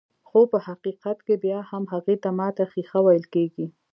خو په حقيقت کې بيا هم هغې ته ماته ښيښه ويل کيږي.